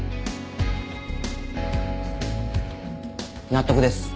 納得です。